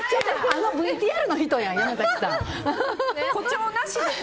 あのＶＴＲの人やん。